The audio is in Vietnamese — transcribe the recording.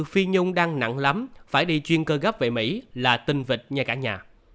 phi nhung đang nặng lắm phải đi chuyên cơ gấp về mỹ là tinh vịt nha cả nhà